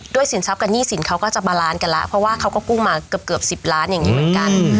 สินทรัพย์กับหนี้สินเขาก็จะบาลานซ์กันแล้วเพราะว่าเขาก็กู้มาเกือบ๑๐ล้านอย่างนี้เหมือนกัน